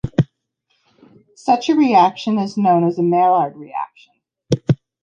Such a reaction is known as Maillard reaction.